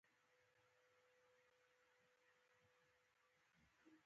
فېلډران هڅه کوي، چي لوبغاړی وسوځوي.